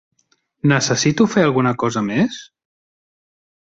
Necessito fer alguna cosa més?